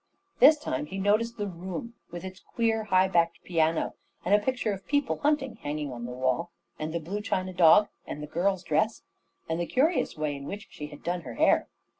This time he noticed the room, with its queer high backed piano, and a picture of people hunting hanging on the wall, and the blue china dog, and the girl's dress, and the curious way in which she had done her hair.